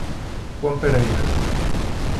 Juan Pereira.